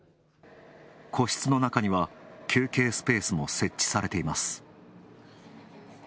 個室の中には休憩スペースも設置されています。